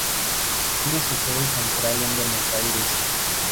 Tiene su sede central en Buenos Aires.